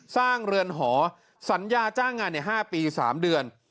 สร้างเรือนห่อศัยยาจ้างงาน๕ปี๓เดือน